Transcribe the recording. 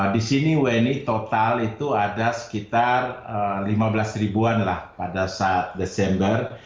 di sini wni total itu ada sekitar lima belas ribuan lah pada saat desember